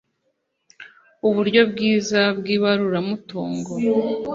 uburyo bwiza bw ibaruramutungo